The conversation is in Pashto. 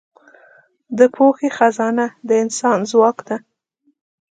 د پوهې خزانه د انسان ځواک ده.